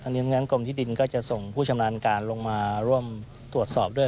อันนี้งั้นกรมที่ดินก็จะส่งผู้ชำนาญการลงมาร่วมตรวจสอบด้วย